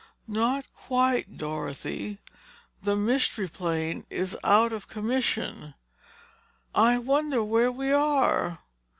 "Not quite, Dorothy. The Mystery Plane is out of commission.—I wonder where we are?"